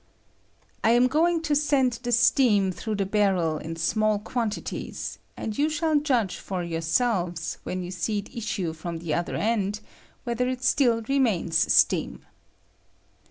I am going to send the steam through the bar rel in small quantities, and you shall judge for yourselves, when you see it issue from the oth er end, whether it stil! remains steam.